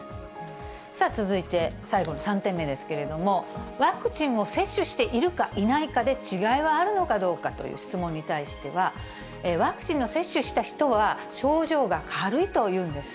さあ、続いて、最後の３点目ですけれども、ワクチンを接種しているかいないかで違いはあるのかどうかという質問に対しては、ワクチンの接種した人は症状が軽いというんです。